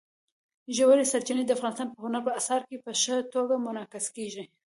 ژورې سرچینې د افغانستان په هنر په اثار کې په ښه توګه منعکس کېږي.